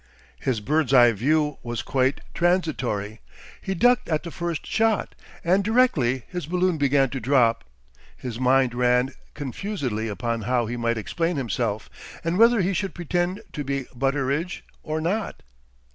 His bird's eye view was quite transitory. He ducked at the first shot; and directly his balloon began to drop, his mind ran confusedly upon how he might explain himself, and whether he should pretend to be Butteridge or not.